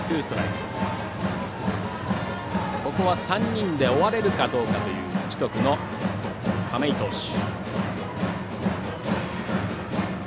３人で終われるかどうかという樹徳の亀井投手。